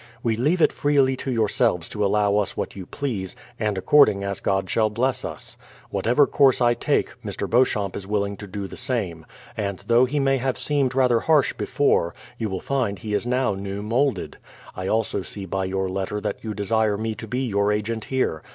We leave it freely to yourselves to allow us what you please, and according as God shall bless us. Whatever course I take, Mr. Beauchamp is willing to do the same; and though he may have seemed rather harsh before, you will find he is now new moulded. I also see by your letter that you desire me to be your agent here.